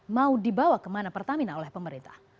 mau dibawa kemana pertamina oleh pemerintah